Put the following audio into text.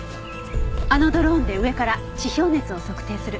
あのドローンで上から地表熱を測定する。